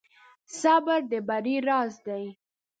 صبر د بری راز دی.